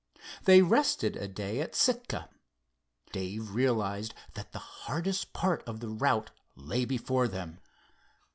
They rested a day at Sitka. Dave realized that the hardest part of the route lay before them.